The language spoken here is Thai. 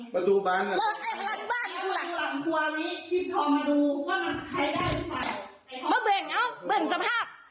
เบิ่งนะเบิ่งสภาพ